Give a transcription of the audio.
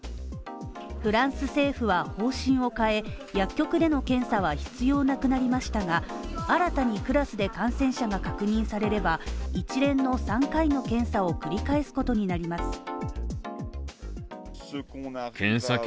フランス政府は方針を変え、薬局での検査は必要なくなりましたが新たにクラスで感染者が確認されれば、一連の３回の検査を繰り返すことになります。